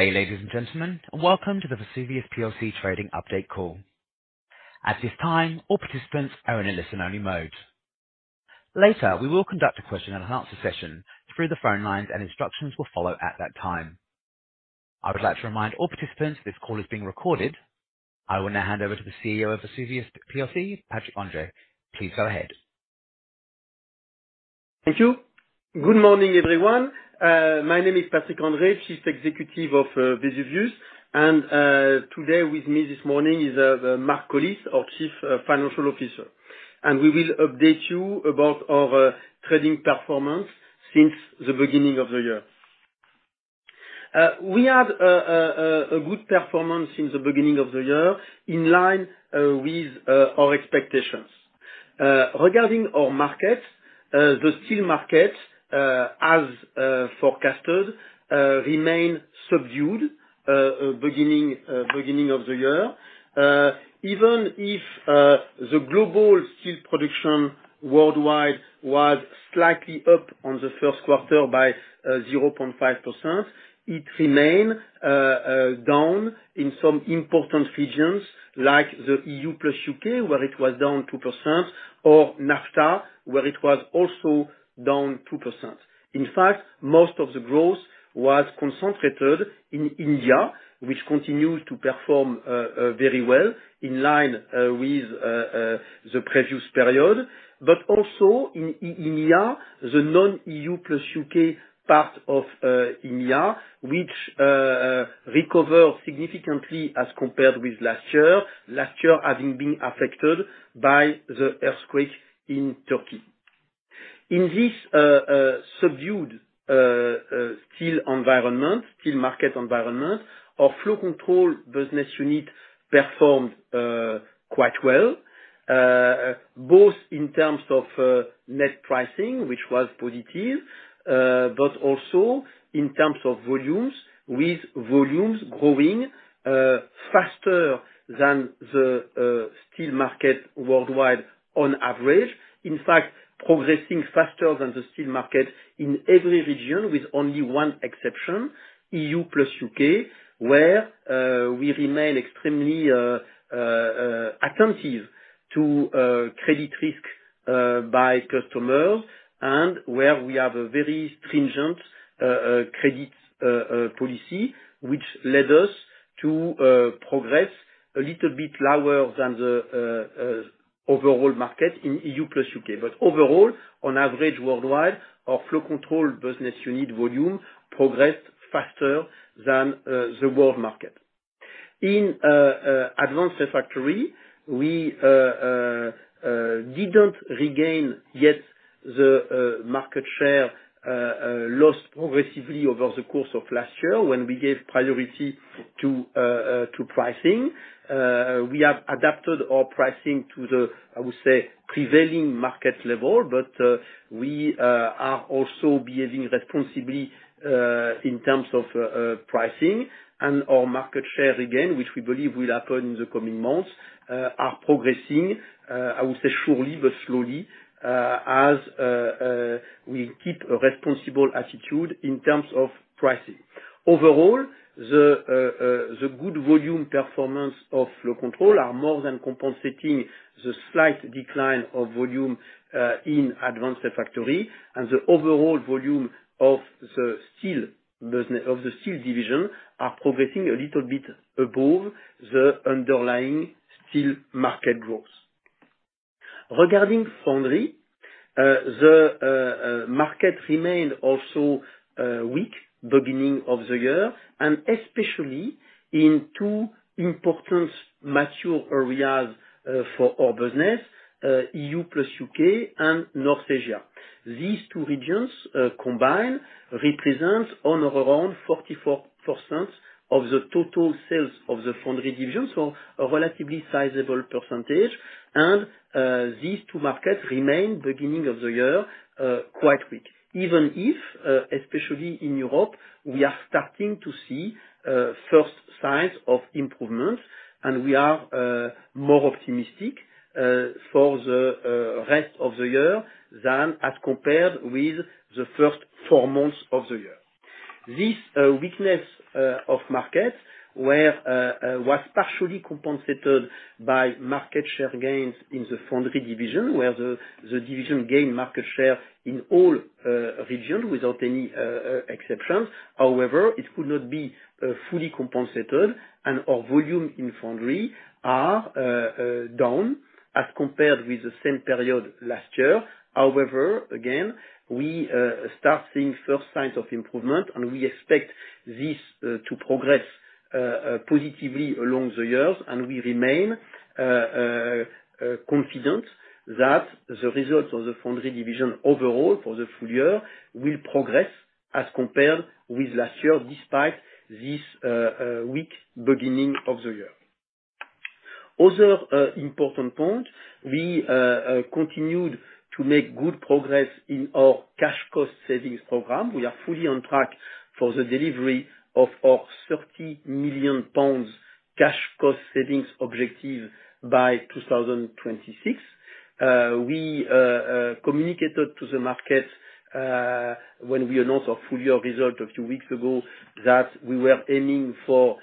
Ladies and gentlemen, welcome to the Vesuvius plc trading update call. At this time, all participants are in a listen-only mode. Later, we will conduct a question and answer session through the phone lines, and instructions will follow at that time. I would like to remind all participants this call is being recorded. I will now hand over to the CEO of Vesuvius plc, Patrick André. Please go ahead. Thank you. Good morning, everyone. My name is Patrick André, Chief Executive of Vesuvius, and today with me this morning is Mark Collis, our Chief Financial Officer, and we will update you about our trading performance since the beginning of the year. We had a good performance since the beginning of the year, in line with our expectations. Regarding our markets, the steel markets, as forecasted, remain subdued beginning of the year. Even if the global steel production worldwide was slightly up on the first quarter by 0.5%, it remained down in some important regions like the EU plus UK, where it was down 2%, or NAFTA, where it was also down 2%. In fact, most of the growth was concentrated in India, which continues to perform very well, in line with the previous period. But also in India, the non-EU plus UK part of Europe, which recovered significantly as compared with last year, last year having been affected by the earthquake in Turkey. In this subdued steel market environment, our Flow Control business unit performed quite well, both in terms of net pricing, which was positive, but also in terms of volumes, with volumes growing faster than the steel market worldwide on average. In fact, progressing faster than the steel market in every region, with only one exception, EU plus UK, where we remain extremely attentive to credit risk by customers, and where we have a very stringent credit policy, which led us to progress a little bit lower than the overall market in EU plus UK. But overall, on average, worldwide, our Flow Control business unit volume progressed faster than the world market. In Advanced Refractories, we didn't regain yet the market share lost progressively over the course of last year, when we gave priority to pricing. We have adapted our pricing to the, I would say, prevailing market level, but we are also behaving responsibly in terms of pricing. And our market share, again, which we believe will happen in the coming months, are progressing, I would say, surely, but slowly, as we keep a responsible attitude in terms of pricing. Overall, the good volume performance of Flow Control are more than compensating the slight decline of volume in Advanced Refractories, and the overall volume of the Steel business, of the Steel division, are progressing a little bit above the underlying steel market growth. Regarding Foundry, the market remained also weak beginning of the year, and especially in two important mature areas for our business, EU plus UK and East Asia. These two regions, combined, represent on around 44% of the total sales of the Foundry division, so a relatively sizable percentage. These two markets remained, beginning of the year, quite weak. Even if, especially in Europe, we are starting to see first signs of improvements, and we are more optimistic for the rest of the year than as compared with the first four months of the year. This weakness of market was partially compensated by market share gains in the foundry division, where the division gained market share in all regions without any exceptions. However, it could not be fully compensated, and our volume in Foundry are down as compared with the same period last year. However, again, we start seeing first signs of improvement, and we expect this to progress positively along the years. We remain confident that the results of the foundry division overall for the full year will progress as compared with last year, despite this weak beginning of the year. Other important point, we continued to make good progress in our cash cost savings program. We are fully on track for the delivery of our 30 million pounds cash cost savings objective by 2026. We communicated to the market, when we announced our full year result a few weeks ago, that we were aiming for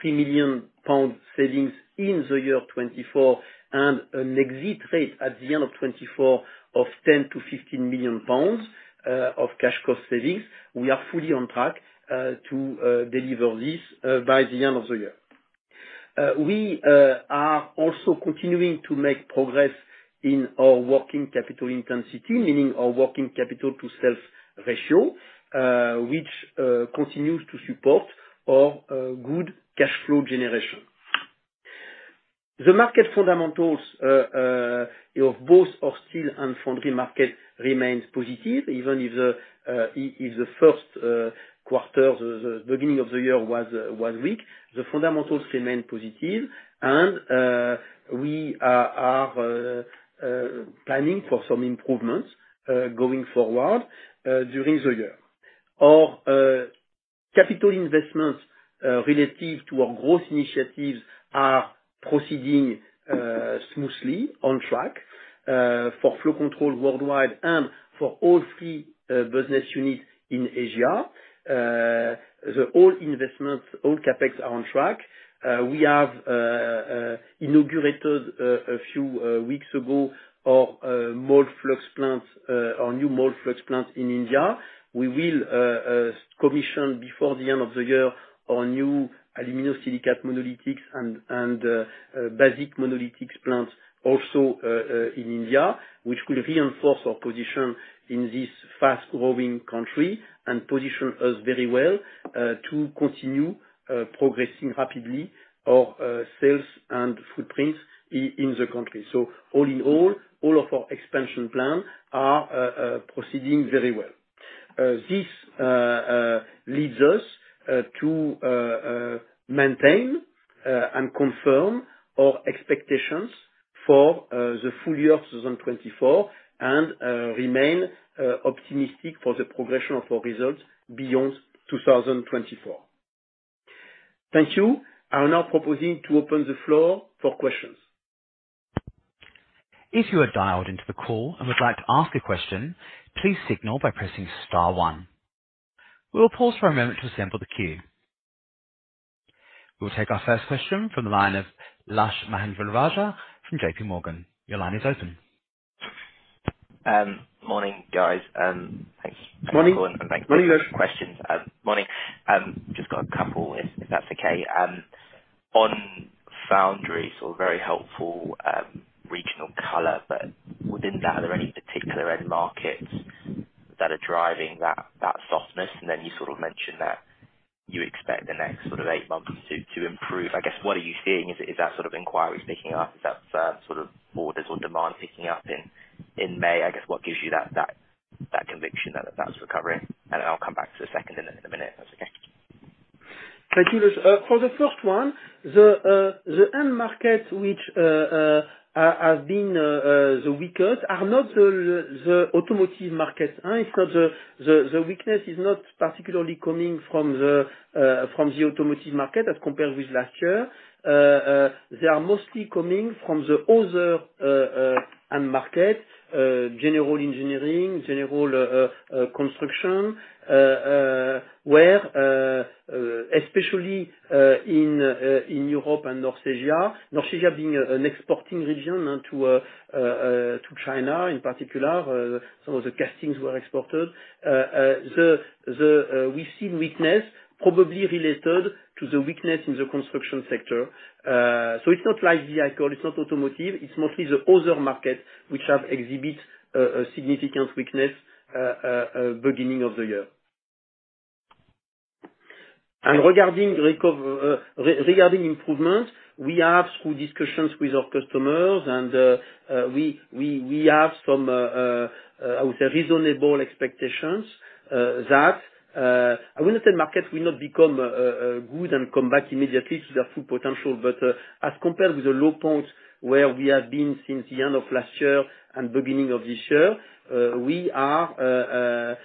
3 million pound savings in the year 2024, and an exit rate at the end of 2024 of 10 million-15 million pounds of cash cost savings. We are fully on track to deliver this by the end of the year. We are also continuing to make progress in our working capital intensity, meaning our working capital to sales ratio, which continues to support our good cash flow generation. The market fundamentals of both our steel and foundry market remains positive, even if the first quarter, the beginning of the year was weak. The fundamentals remain positive and we are planning for some improvements going forward during the year. Our capital investments relative to our growth initiatives are proceeding smoothly, on track, for Flow Control worldwide, and for all three business units in Asia. All investments, all CapEx are on track. We have inaugurated a few weeks ago our new mold flux plant in India. We will commission before the end of the year our new aluminum silicate monolithic and basic monolithic plants also in India, which will reinforce our position in this fast-growing country, and position us very well to continue progressing rapidly our sales and footprints in the country. So all in all, all of our expansion plan are proceeding very well. This leads us to maintain and confirm our expectations for the full year of 2024, and remain optimistic for the progression of our results beyond 2024. Thank you. I'm now proposing to open the floor for questions. If you are dialed into the call and would like to ask a question, please signal by pressing star one. We will pause for a moment to assemble the queue. We'll take our first question from the line of Lushanthan Mahendrarajah from J.P. Morgan. Your line is open. Morning, guys, and thanks- Morning. Morning, Lush. - questions. Morning. Just got a couple, if, if that's okay. On Foundry, so very helpful, regional color, but within that, are there any particular end markets that are driving that, that softness? And then you sort of mentioned that you expect the next sort of eight months to, to improve. I guess, what are you seeing? Is, is that sort of inquiry picking up? Is that, sort of orders or demand picking up in, in May? I guess, what gives you that, that, that conviction that that's recovering? And I'll come back to a second in a, in a minute, if that's okay. Thank you. For the first one, the end market, which has been the weakest, are not the automotive market. The weakness is not particularly coming from the automotive market as compared with last year. They are mostly coming from the other end market, general engineering, general construction, where especially in Europe and North Asia. North Asia being an exporting region into to China, in particular, some of the castings were exported. We've seen weakness probably related to the weakness in the construction sector. So it's not like vehicle, it's not automotive, it's mostly the other market which have exhibit a significant weakness beginning of the year. And regarding improvement, we have some discussions with our customers, and we have some, I would say, reasonable expectations that I wouldn't say market will not become good and come back immediately to their full potential, but as compared with the low point where we have been since the end of last year and beginning of this year, we are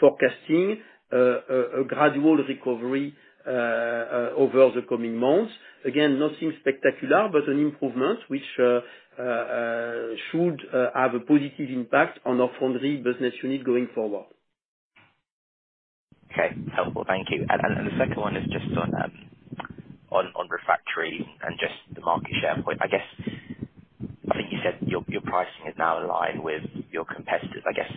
forecasting a gradual recovery over the coming months. Again, nothing spectacular, but an improvement, which should have a positive impact on our Foundry business unit going forward. Okay. Helpful, thank you. And the second one is just on refractory and just the market share point. I guess, I think you said your pricing is now aligned with your competitors. I guess,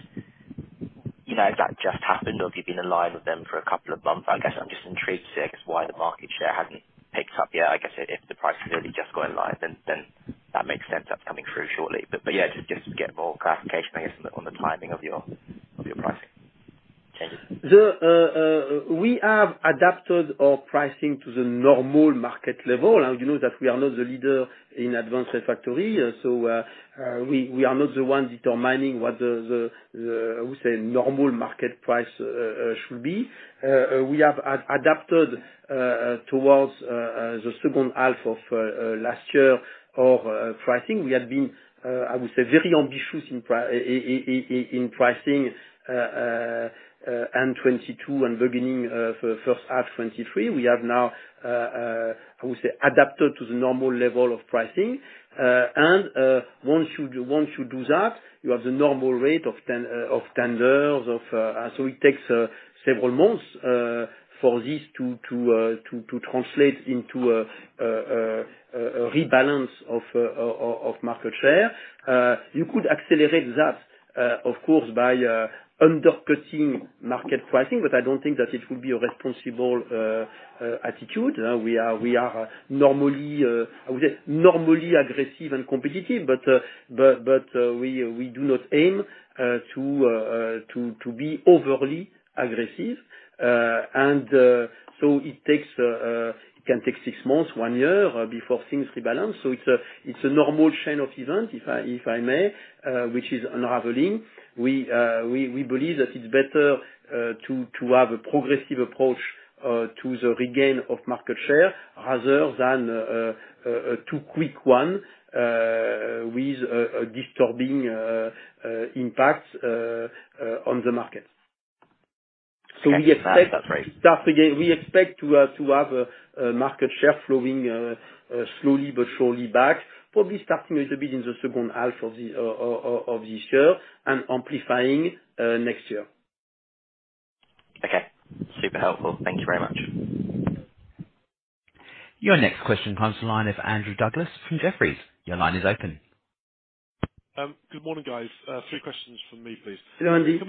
you know, has that just happened, or have you been aligned with them for a couple of months? I guess I'm just intrigued to, I guess, why the market share hasn't picked up yet. I guess if the price has really just got in line, then that makes sense, that's coming through shortly. But yeah, just to get more clarification, I guess, on the timing of your pricing. ... The, we have adapted our pricing to the normal market level, and you know that we are not the leader in Advanced Refractories, so, we are not the one determining what the, I would say, normal market price should be. We have adapted towards the second half of last year, our pricing. We had been, I would say, very ambitious in pricing in 2022 and beginning first half 2023. We have now, I would say, adapted to the normal level of pricing, and once you do that, you have the normal rate of tenders, of... So it takes several months for this to translate into a rebalance of market share. You could accelerate that, of course, by undercutting market pricing, but I don't think that it would be a responsible attitude. We are normally, I would say, normally aggressive and competitive, but we do not aim to be overly aggressive. So it takes, it can take six months, one year, before things rebalance. So it's a normal chain of events, if I may, which is unraveling. We believe that it's better to have a progressive approach to the regain of market share, rather than a too quick one with a disturbing impact on the market. Okay. So we expect to have a market share flowing slowly but surely back, probably starting a little bit in the second half of this year, and amplifying next year. Okay. Super helpful. Thank you very much. Your next question comes to the line of Andrew Douglas from Jefferies. Your line is open. Good morning, guys. Three questions from me, please. Good morning, Andy. Can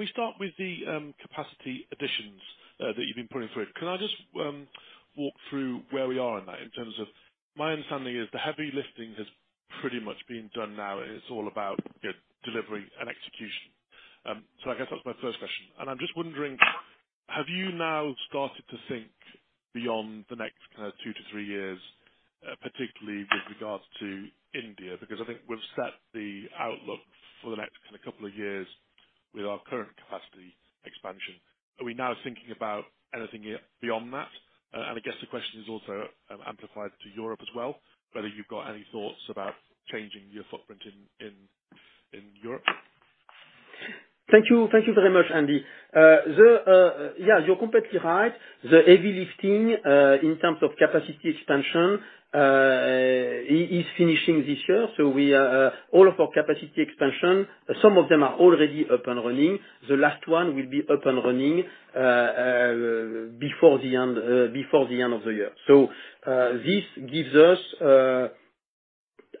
we start with the capacity additions that you've been putting through? Can I just walk through where we are on that, in terms of, my understanding is the heavy lifting has pretty much been done now, and it's all about, you know, delivery and execution. So I guess that's my first question. And I'm just wondering, have you now started to think beyond the next, kind of, two to three years, particularly with regards to India? Because I think we've set the outlook for the next, kind of, couple of years with our current capacity expansion. Are we now thinking about anything beyond that? And I guess the question is also amplified to Europe as well, whether you've got any thoughts about changing your footprint in Europe. Thank you. Thank you very much, Andy. Yeah, you're completely right. The heavy lifting in terms of capacity expansion is finishing this year. So we are all of our capacity expansion, some of them are already up and running. The last one will be up and running before the end of the year. So this gives us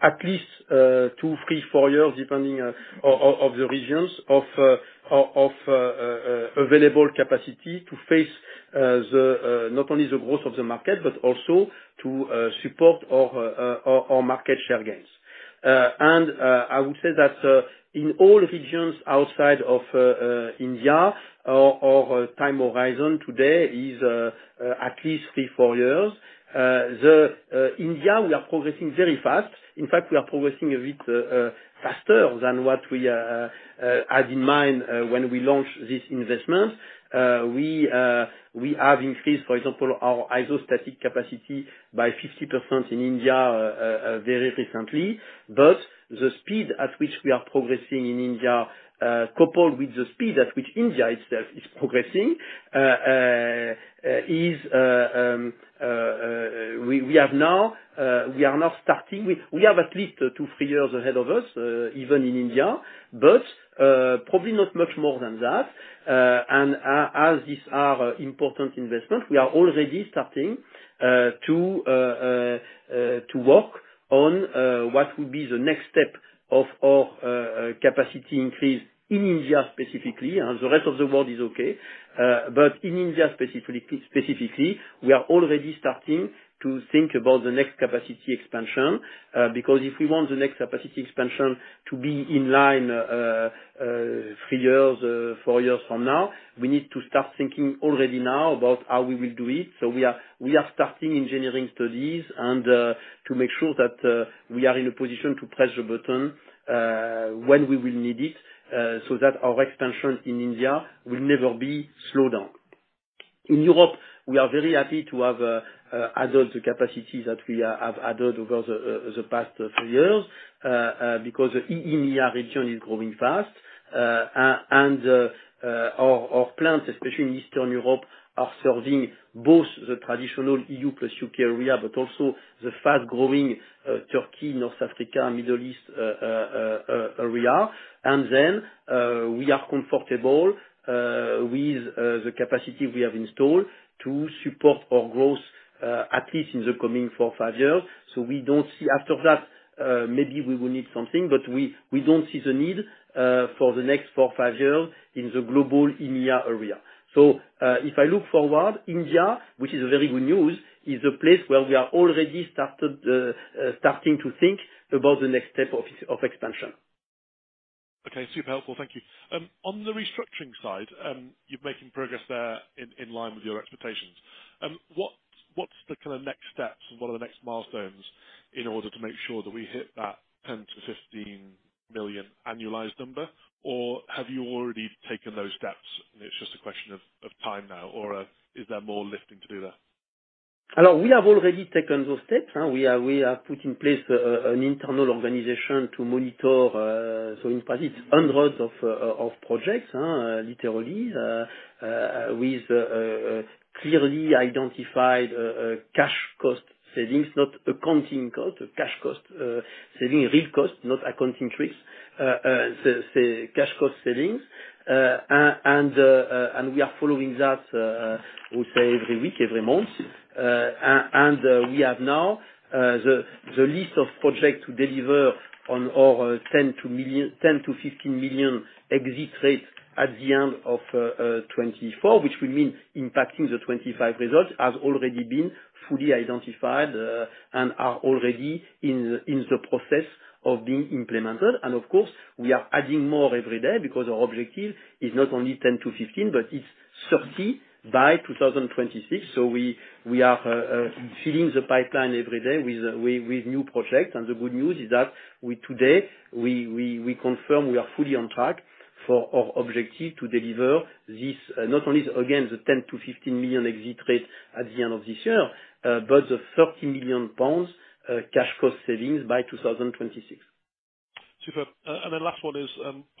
at least 2, 3, 4 years, depending on the regions of available capacity to face not only the growth of the market, but also to support our market share gains. And I would say that in all regions outside of India, our time horizon today is at least 3, 4 years. In India, we are progressing very fast. In fact, we are progressing a bit faster than what we had in mind when we launched this investment. We have increased, for example, our isostatic capacity by 50% in India very recently. But the speed at which we are progressing in India, coupled with the speed at which India itself is progressing, is we are now starting with—we have at least two, three years ahead of us even in India, but probably not much more than that. And as these are important investments, we are already starting to work on what will be the next step of our capacity increase in India specifically, and the rest of the world is okay. But in India, specifically, we are already starting to think about the next capacity expansion, because if we want the next capacity expansion to be in line three years, four years from now, we need to start thinking already now about how we will do it. So we are starting engineering studies, and to make sure that we are in a position to press the button when we will need it, so that our expansion in India will never be slowed down. In Europe, we are very happy to have added the capacity that we have added over the past three years, because the India region is growing fast. And our plants, especially in Eastern Europe, are serving both the traditional EU plus UK area, but also the fast-growing Turkey, North Africa, Middle East area. And then, we are comfortable with the capacity we have installed to support our growth, at least in the coming four, five years. So we don't see... After that, maybe we will need something, but we don't see the need for the next four, five years in the global India area. So, if I look forward, India, which is a very good news, is a place where we have already started starting to think about the next step of expansion.... Okay, super helpful, thank you. On the restructuring side, you're making progress there, in line with your expectations. What's the kind of next steps, and what are the next milestones in order to make sure that we hit that 10 million-15 million annualized number? Or have you already taken those steps, and it's just a question of time now, or is there more lifting to do there? Hello, we have already taken those steps. We have put in place an internal organization to monitor, so in practice, hundreds of projects, literally. With clearly identified cash cost savings, not accounting cost, cash cost saving, real cost, not accounting tricks. The cash cost savings, and we are following that, we say every week, every month. And we have now the list of projects to deliver on our 10 million-15 million exit rate at the end of 2024, which will mean impacting the 2025 results, has already been fully identified, and are already in the process of being implemented. And, of course, we are adding more every day, because our objective is not only 10-15, but it's 30 by 2026. So we are filling the pipeline every day with new projects. And the good news is that today we confirm we are fully on track for our objective to deliver this, not only, again, the 10-15 million exit rate at the end of this year, but the 30 million pounds cash cost savings by 2026. Superb. And then last one is,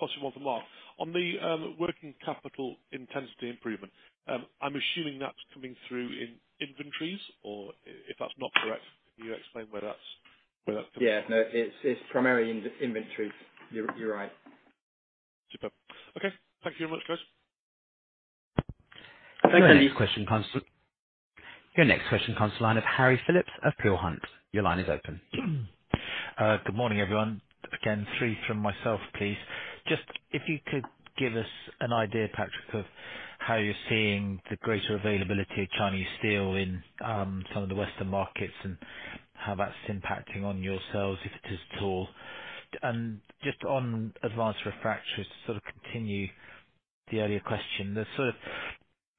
possibly one for Mark. On the working capital intensity improvement, I'm assuming that's coming through in inventories, or if that's not correct, can you explain where that's coming- Yeah, no, it's primarily in inventories. You're right. Superb. Okay, thank you very much, guys. Thanks, Andy. Your next question comes to the line of Harry Phillips of Peel Hunt. Your line is open. Good morning, everyone. Again, three from myself, please. Just, if you could give us an idea, Patrick, of how you're seeing the greater availability of Chinese steel in some of the Western markets, and how that's impacting on yourselves, if it is at all? And just on Advanced Refractories, to sort of continue the earlier question, the sort of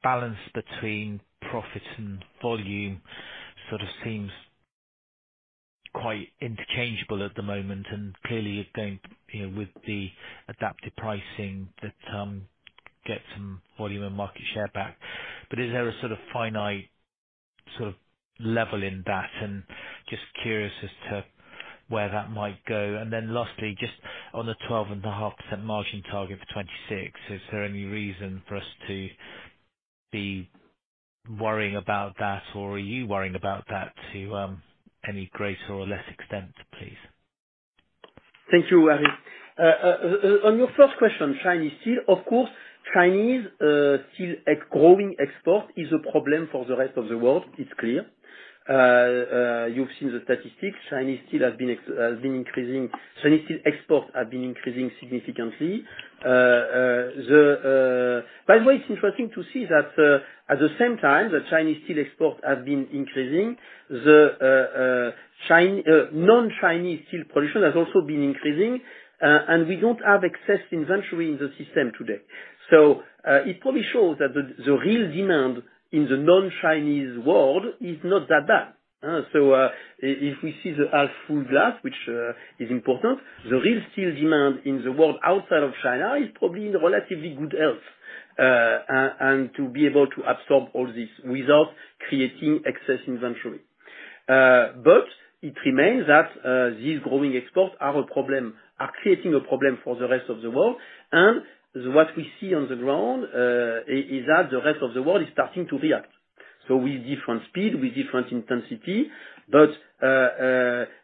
balance between profit and volume sort of seems quite interchangeable at the moment, and clearly you're going, you know, with the adaptive pricing that get some volume and market share back. But is there a sort of finite, sort of level in that? And just curious as to where that might go. Then lastly, just on the 12.5% margin target for 2026, is there any reason for us to be worrying about that, or are you worrying about that too, any greater or less extent, please? Thank you, Harry. On your first question, Chinese steel. Of course, Chinese steel export growing is a problem for the rest of the world. It's clear. You've seen the statistics. Chinese steel has been increasing. Chinese steel exports have been increasing significantly. By the way, it's interesting to see that at the same time that Chinese steel exports have been increasing, non-Chinese steel production has also been increasing, and we don't have excess inventory in the system today. So, it probably shows that the real demand in the non-Chinese world is not that bad. So, if we see the half full glass, which is important, the real steel demand in the world outside of China is probably in relatively good health. And to be able to absorb all this without creating excess inventory. But it remains that these growing exports are a problem, are creating a problem for the rest of the world. And what we see on the ground is that the rest of the world is starting to react. So with different speed, with different intensity, but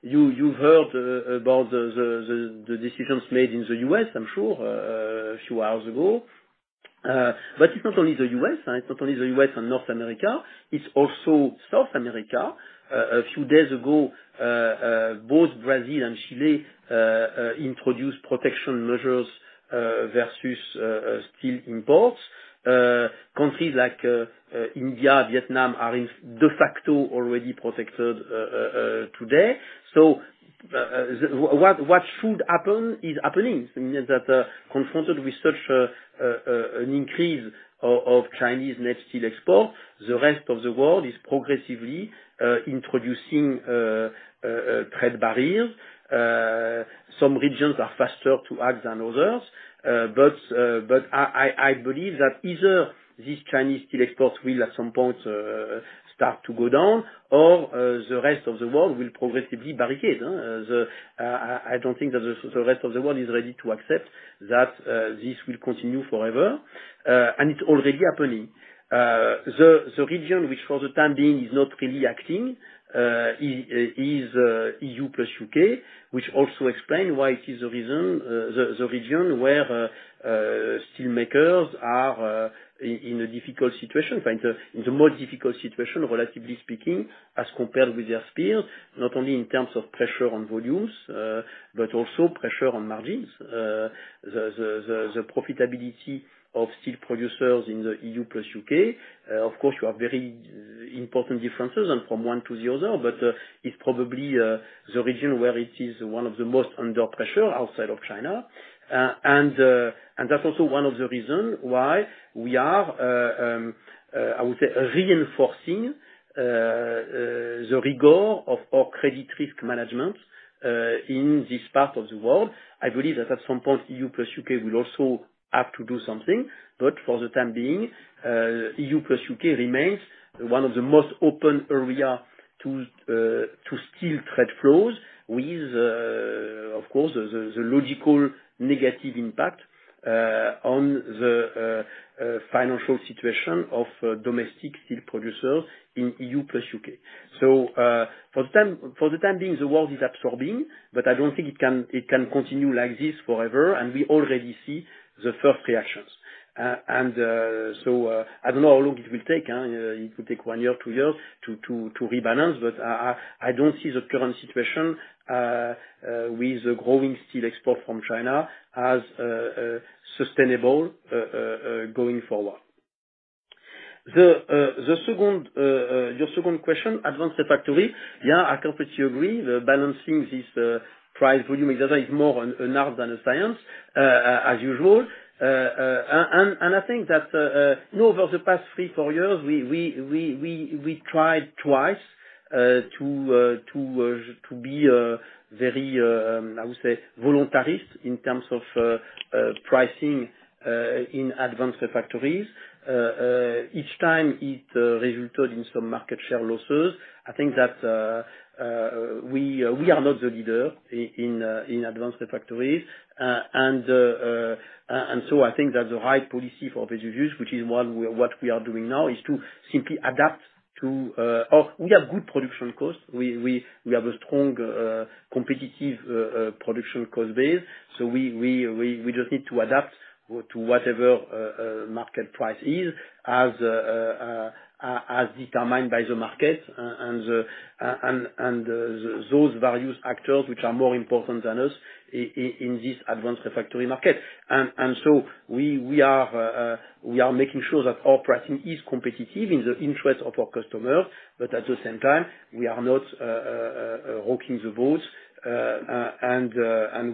you've heard about the decisions made in the U.S., I'm sure, a few hours ago. But it's not only the U.S., it's not only the U.S. and North America, it's also South America. A few days ago, both Brazil and Chile introduced protection measures versus steel imports. Countries like India, Vietnam, are de facto already protected today. So, what should happen is happening. I mean, that, confronted with such an increase of Chinese net steel exports, the rest of the world is progressively introducing trade barriers. Some regions are faster to act than others, but I believe that either these Chinese steel exports will, at some point, start to go down, or the rest of the world will progressively barricade the... I don't think that the rest of the world is ready to accept that this will continue forever, and it's already happening. The region which for the time being is not really acting is EU plus UK, which also explain why it is the reason the region where steel makers are in a difficult situation, in fact, in the most difficult situation, relatively speaking, as compared with their peers. Not only in terms of pressure on volumes, but also pressure on margins. The profitability of steel producers in the EU plus UK, of course, you have very important differences and from one to the other, but it's probably the region where it is one of the most under pressure outside of China. And that's also one of the reasons why we are, I would say, reinforcing the rigor of our credit risk management in this part of the world. I believe that at some point, EU plus UK will also have to do something, but for the time being, EU plus UK remains one of the most open area to steel trade flows. With, of course, the logical negative impact on the financial situation of domestic steel producers in EU plus UK. So, for the time being, the world is absorbing, but I don't think it can continue like this forever, and we already see the first reactions. And so, I don't know how long it will take. It could take one year, two years to rebalance, but I don't see the current situation with the growing steel export from China as sustainable going forward. The second, your second question, Advanced Refractories. Yeah, I completely agree. The balancing this price volume is more an art than a science, as usual. And I think that you know, over the past 3-4 years, we tried twice to be very I would say voluntarist in terms of pricing in Advanced Refractories. Each time it resulted in some market share losses. I think that we are not the leader in Advanced Refractories. And so I think that the right policy for Vesuvius, which is one, what we are doing now, is to simply adapt to... Oh, we have good production costs. We have a strong competitive production cost base, so we just need to adapt to whatever market price is as determined by the market, and those value actors, which are more important than us, in this advanced refractories market. So we are making sure that our pricing is competitive in the interest of our customers, but at the same time, we are not rocking the boat. And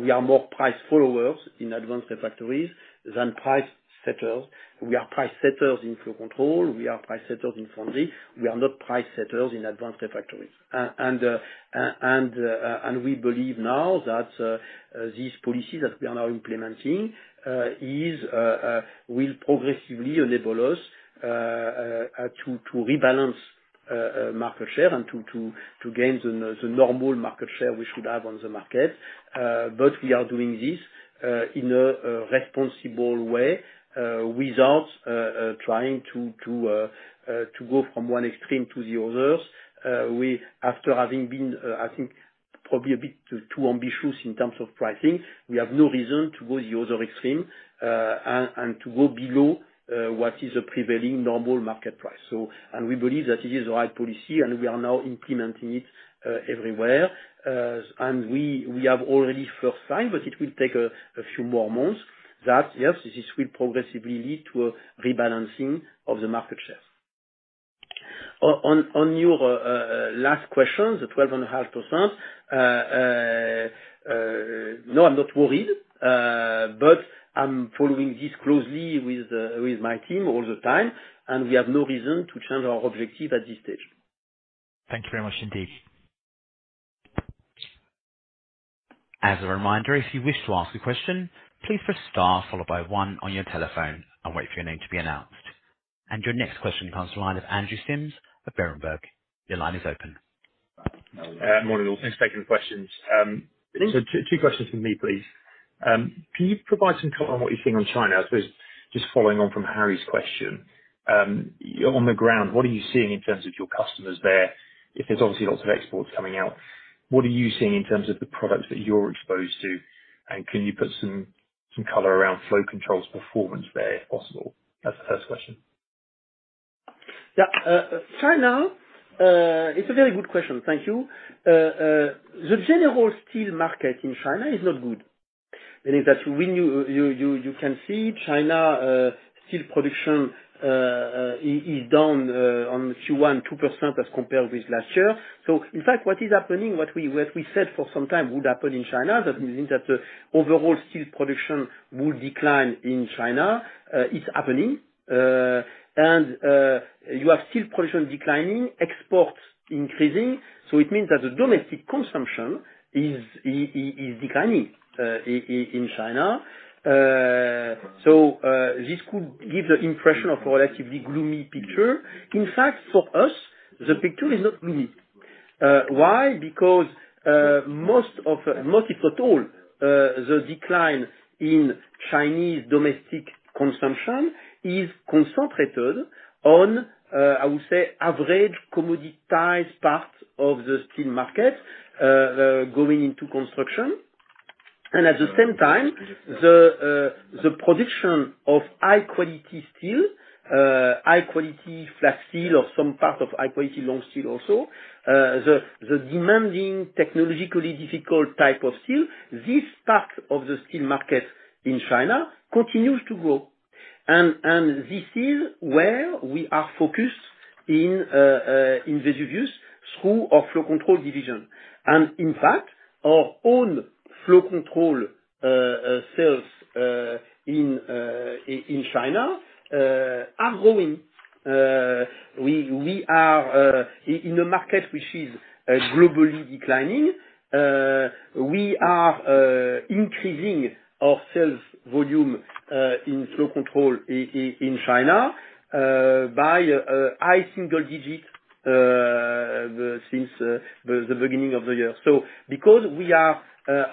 we are more price followers in Advanced Refractories than price setters. We are price setters in Flow Control. We are price setters in Foundry. We are not price setters in Advanced Refractories. We believe now that this policy that we are now implementing is will progressively enable us to rebalance market share and to gain the normal market share we should have on the market. But we are doing this in a responsible way without trying to go from one extreme to the others. We, after having been, I think, probably a bit too ambitious in terms of pricing, we have no reason to go the other extreme and to go below what is a prevailing normal market price. So, and we believe that it is the right policy and we are now implementing it everywhere. And we have already first signed, but it will take a few more months. Yes, this will progressively lead to a rebalancing of the market share. On your last question, the 12.5%, no, I'm not worried, but I'm following this closely with my team all the time, and we have no reason to change our objective at this stage. Thank you very much indeed. As a reminder, if you wish to ask a question, please press star followed by one on your telephone and wait for your name to be announced. Your next question comes from the line of Andrew Simms at Berenberg. Your line is open. Good morning, all. Thanks for taking the questions. So two, two questions from me, please. Can you provide some color on what you're seeing on China? I suppose just following on from Harry's question. You're on the ground, what are you seeing in terms of your customers there? If there's obviously lots of exports coming out, what are you seeing in terms of the products that you're exposed to, and can you put some, some color around Flow Control's performance there, if possible? That's the first question. Yeah. China, it's a very good question, thank you. The general steel market in China is not good. And that's when you can see China steel production is down on Q1 2% as compared with last year. So in fact, what is happening, what we said for some time would happen in China, that means that the overall steel production will decline in China, it's happening. And you have steel production declining, exports increasing, so it means that the domestic consumption is declining in China. So this could give the impression of a relatively gloomy picture. In fact, for us, the picture is not gloomy. Why? Because, most of, most if not all, the decline in Chinese domestic consumption is concentrated on, I would say, average commoditized parts of the steel market, going into construction. And at the same time, the production of high-quality steel, high quality flat steel or some part of high-quality long steel also, the demanding, technologically difficult type of steel, this part of the steel market in China continues to grow. And this is where we are focused in Vesuvius through our Flow Control division. And in fact, our own Flow Control sales in China are growing. We are in a market which is globally declining. We are increasing our sales volume in Flow Control in China by high single digits since the beginning of the year. So because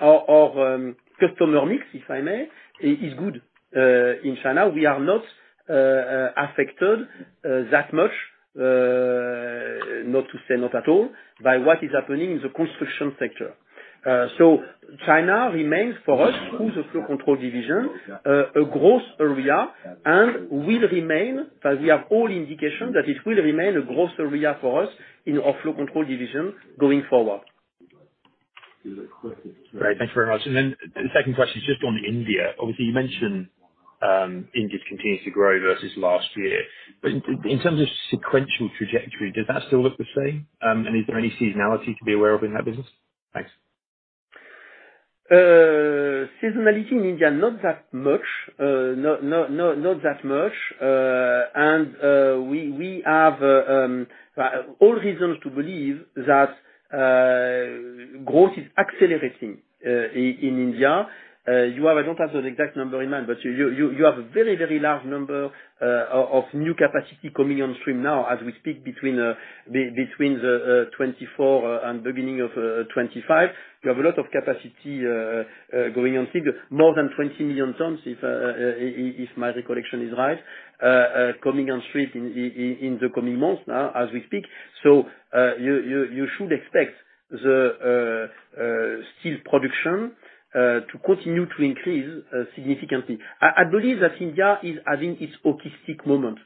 our customer mix, if I may, is good in China, we are not affected that much, not to say not at all, by what is happening in the construction sector. So China remains, for us, through the Flow Control division, a growth area and will remain, but we have all indication that it will remain a growth area for us in our Flow Control division going forward. Great. Thank you very much. And then the second question is just on India. Obviously, you mentioned, India continues to grow versus last year, but in terms of sequential trajectory, does that still look the same? And is there any seasonality to be aware of in that business? Thanks. Seasonality in India, not that much. No, no, no, not that much. And we have, well, all reasons to believe that growth is accelerating in India. You have. I don't have the exact number in mind, but you have a very, very large number of new capacity coming on stream now as we speak between between the 2024 and beginning of 2025. We have a lot of capacity going on stream. More than 20 million tons, if my recollection is right, coming on stream in the coming months, now, as we speak. So, you should expect the steel production to continue to increase significantly. I believe that India is having its opportunistic moment.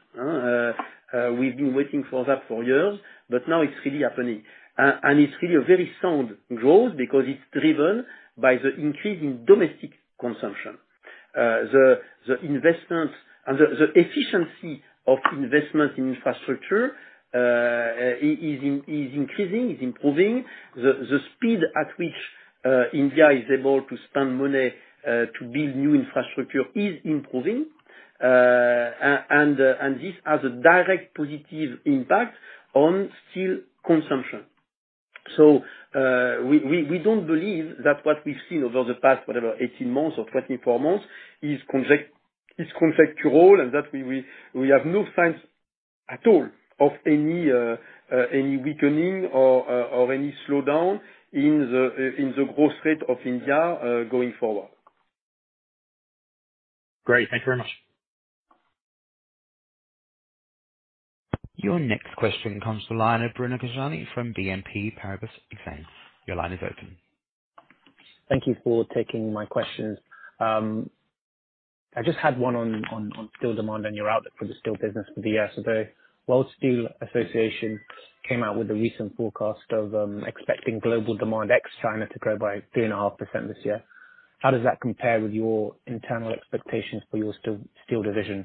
We've been waiting for that for years, but now it's really happening. And it's really a very sound growth because it's driven by the increase in domestic consumption. The investment and the efficiency of investment in infrastructure is increasing, is improving. The speed at which India is able to spend money to build new infrastructure is improving. And this has a direct positive impact on steel consumption. So, we don't believe that what we've seen over the past, whatever, 18 months or 24 months is conjectural, and that we have no signs at all of any weakening or any slowdown in the growth rate of India going forward. Great. Thank you very much. Your next question comes from the line of Bruno Ghizzani from BNP Paribas, France. Your line is open. Thank you for taking my question. I just had one on steel demand and your outlook for the steel business for the year. So the World Steel Association came out with a recent forecast of expecting global demand ex China to grow by 3.5% this year. How does that compare with your internal expectations for your steel division?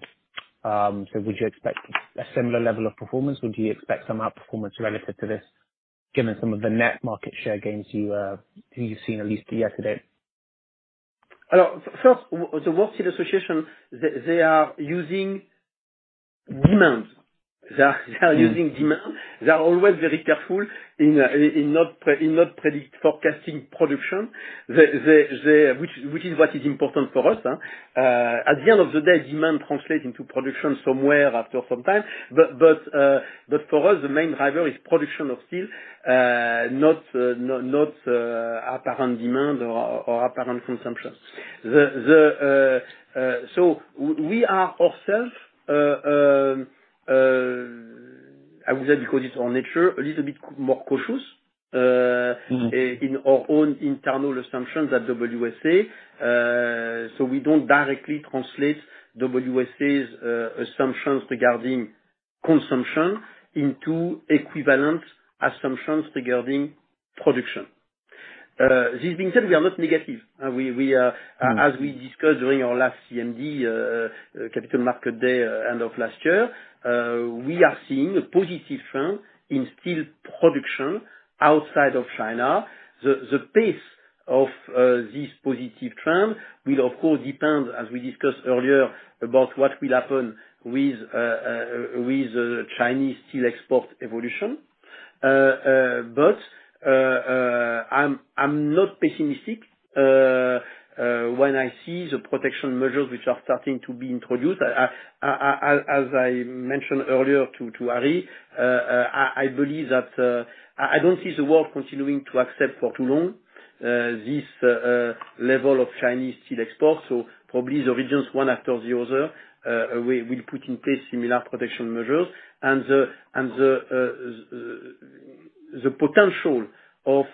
So would you expect a similar level of performance, or do you expect some outperformance relative to this, given some of the net market share gains you've seen at least year to date? First, the World Steel Association, they are using demands. They are using demand. Mm-hmm. They are always very careful in not forecasting production. Which is what is important for us. At the end of the day, demand translates into production somewhere after some time. But for us, the main driver is production of steel, not apparent demand or apparent consumption. We are ourselves, I would say because it's our nature, a little bit more cautious. Mm-hmm... in our own internal assumptions at WSA. So we don't directly translate WSA's assumptions regarding consumption into equivalent assumptions regarding production. This being said, we are not negative. Mm-hmm... as we discussed during our last CMD, capital market day, end of last year, we are seeing a positive trend in steel production outside of China. The pace of this positive trend will of course depend, as we discussed earlier, about what will happen with the Chinese steel export evolution. But I'm not pessimistic when I see the protection measures which are starting to be introduced. As I mentioned earlier to Harry, I believe that I don't see the world continuing to accept for too long this level of Chinese steel exports. So probably the regions, one after the other, will put in place similar protection measures. And the potential of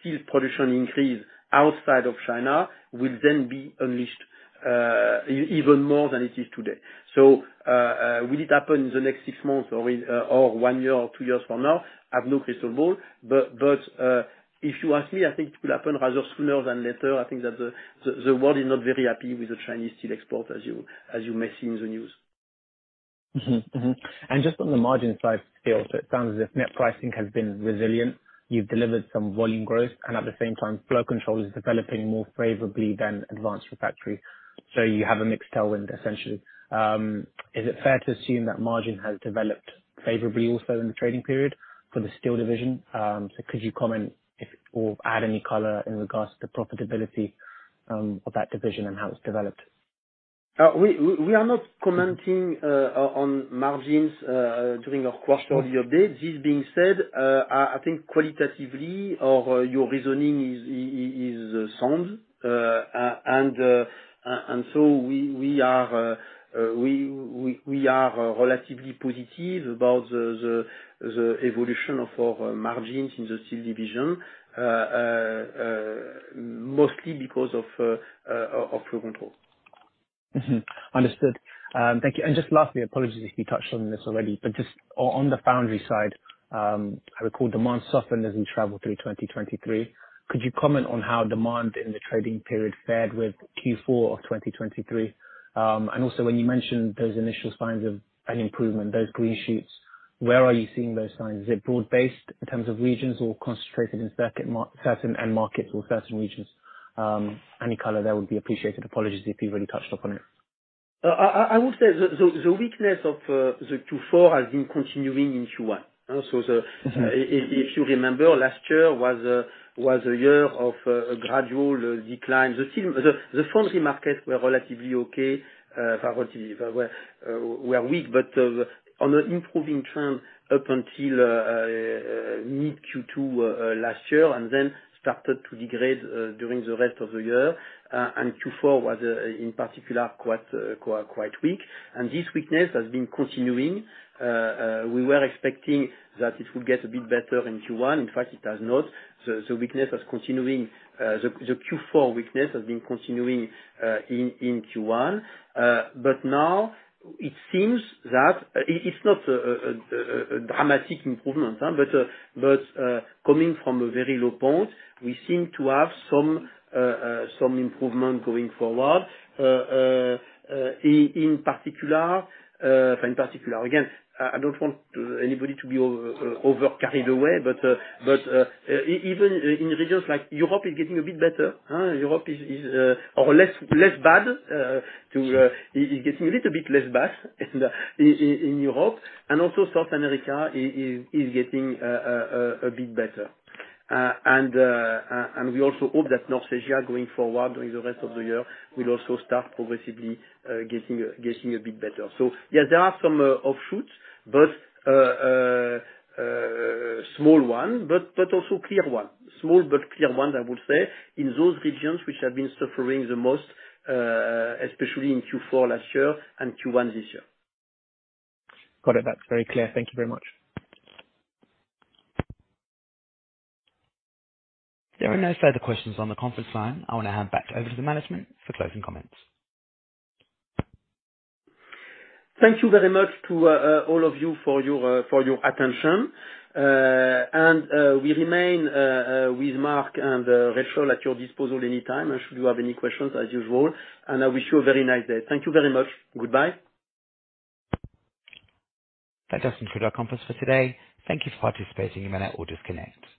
steel production increase outside of China will then be unleashed, even more than it is today. So, will it happen in the next six months or one year or two years from now? I have no crystal ball, but if you ask me, I think it will happen rather sooner than later. I think that the world is not very happy with the Chinese steel export, as you may see in the news. Mm-hmm. Mm-hmm. And just on the margin side scale, so it sounds as if net pricing has been resilient. You've delivered some volume growth, and at the same time, Flow Control is developing more favorably than Advanced Refractories. So you have a mixed tailwind, essentially. Is it fair to assume that margin has developed favorably also in the trading period for the steel division? So could you comment if, or add any color in regards to the profitability of that division and how it's developed? We are not commenting on margins during our quarterly update. This being said, I think qualitatively, your reasoning is sound. And so we are relatively positive about the evolution of our margins in the steel division, mostly because of control. Mm-hmm. Understood. Thank you. And just lastly, apologies if you touched on this already, but just on the foundry side, I recall demand softened as we travel through 2023. Could you comment on how demand in the trading period fared with Q4 of 2023? And also when you mentioned those initial signs of an improvement, those green shoots, where are you seeing those signs? Is it broad-based in terms of regions or concentrated in certain end markets or certain regions? Any color there would be appreciated. Apologies if you've already touched upon it. I would say the weakness of the Q4 has been continuing in Q1. So the- Mm-hmm. If you remember, last year was a year of a gradual decline. The steel, the foundry market were relatively weak, but on an improving trend up until mid Q2 last year, and then started to degrade during the rest of the year. Q4 was, in particular, quite weak, and this weakness has been continuing. We were expecting that it would get a bit better in Q1. In fact, it has not. The weakness is continuing, the Q4 weakness has been continuing in Q1. But now it seems that... It's not a dramatic improvement, but coming from a very low point, we seem to have some improvement going forward. In particular, again, I don't want anybody to be overly carried away, but even in regions like Europe it's getting a bit better, huh? Europe is or less bad, it's getting a little bit less bad in Europe. And also South America is getting a bit better. And we also hope that North Asia, going forward during the rest of the year, will also start progressively getting a bit better. So yeah, there are some offshoots, but small one, but also clear one. Small but clear one, I would say, in those regions which have been suffering the most, especially in Q4 last year and Q1 this year. Got it. That's very clear. Thank you very much. There are no further questions on the conference line. I want to hand back over to the management for closing comments. Thank you very much to all of you for your attention. We remain with Mark and Rachel at your disposal anytime, and should you have any questions, as usual, and I wish you a very nice day. Thank you very much. Goodbye. That does conclude our conference for today. Thank you for participating. You may now all disconnect.